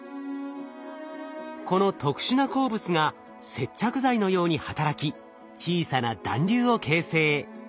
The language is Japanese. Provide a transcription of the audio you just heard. この特殊な鉱物が接着剤のように働き小さな団粒を形成。